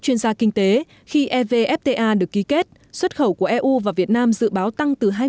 chuyên gia kinh tế khi evfta được ký kết xuất khẩu của eu và việt nam dự báo tăng từ hai mươi hai mươi năm